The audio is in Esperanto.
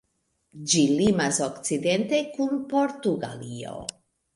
Ĝi limas okcidente kun Portugalio.